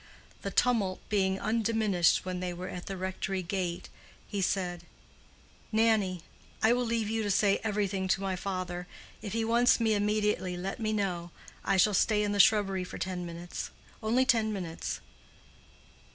The tumult being undiminished when they were at the rectory gate, he said, "Nannie, I will leave you to say everything to my father. If he wants me immediately, let me know. I shall stay in the shrubbery for ten minutes—only ten minutes."